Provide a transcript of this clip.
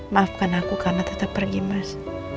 maafkan aku karena tetap pergi mas